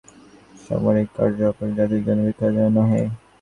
সাংসারিক কার্য অপর জাতির জন্য, ব্রাহ্মণের জন্য নহে।